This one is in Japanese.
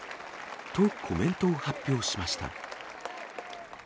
と、コメントを発表しました。